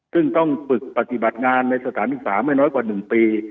ซึ่งต้องฝึกปฏิบัติงานในสถานศึกษาไม่น้อยกว่า๑ปี